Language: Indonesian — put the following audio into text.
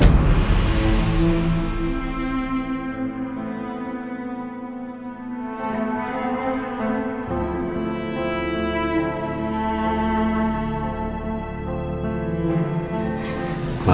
tidak tidak tidak